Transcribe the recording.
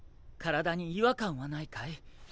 体に違和感はないかい？